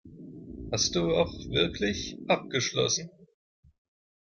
Hast du auch wirklich abgeschlossen?